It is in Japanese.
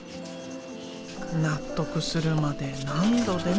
納得するまで何度でも。